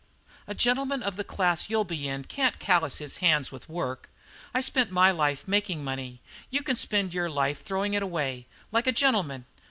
"A gentleman of the class you'll be in can't callous his hands with work. I spent my life making money; you can use your life throwing it away like a gentleman.